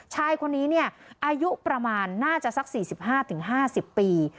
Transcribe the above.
ชายคนนี้อายุประมาณน่าจะสัก๔๕๕๐ปี